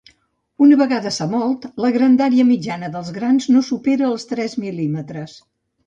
Una vegada que s'ha mòlt, la grandària mitjana dels grans no supera els tres mil·límetres.